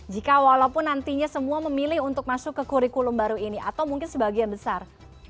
jika walaupun nantinya semua memilih untuk masuk ke kurikulum baru ini atau mungkin sebagian besar